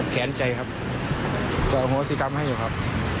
แค้นใจครับก็โหสิกรรมให้อยู่ครับ